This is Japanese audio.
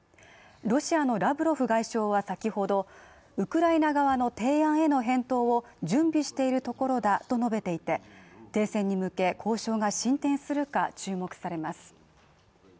ロシアのラブロフ外相は先ほどウクライナ側の提案への返答を準備しているところだと述べていて停戦に向け交渉が進展するか注目されます。